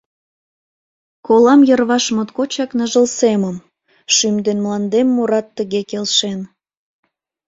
Колам йырваш моткочак ныжыл семым: Шӱм ден мландем мурат тыге келшен.